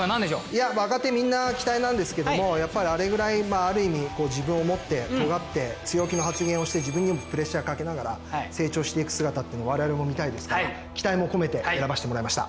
いや若手みんな期待なんですけどもやっぱりあれぐらいある意味自分を持ってとがって強気の発言をして自分にもプレッシャーかけながら成長していく姿っていうのは我々も見たいですから期待も込めて選ばせてもらいました。